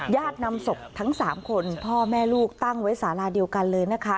นำศพทั้ง๓คนพ่อแม่ลูกตั้งไว้สาราเดียวกันเลยนะคะ